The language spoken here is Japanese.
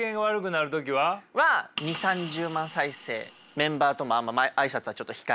メンバーともあんま挨拶はちょっと控えめな感じ。